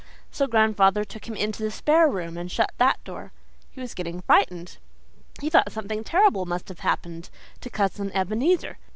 So grandfather took him into the spare room and shut that door. He was getting frightened. He thought something terrible must have happened Cousin Ebenezer.